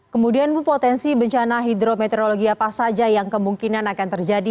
kemudian bu potensi bencana hidrometeorologi apa saja yang kemungkinan akan terjadi